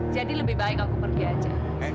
yaudah kita cerai aja